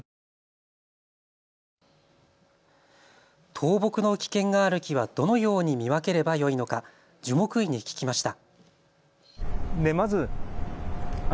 倒木の危険がある木はどのように見分ければよいのか樹木医に聞きました。